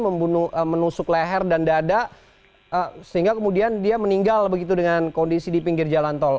menusuk leher dan dada sehingga kemudian dia meninggal begitu dengan kondisi di pinggir jalan tol